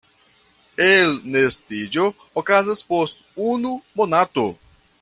Elnestiĝo okazas post unu monato.